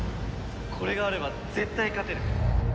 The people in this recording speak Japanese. これがあれば絶対勝てる！